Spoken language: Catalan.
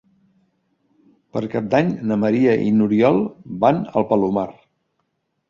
Per Cap d'Any na Maria i n'Oriol van al Palomar.